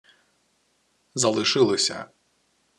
Залишилися